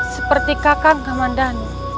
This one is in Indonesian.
seperti kakak kamadhanu